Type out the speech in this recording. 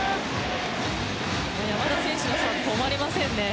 山田選手のサーブ止まりませんね。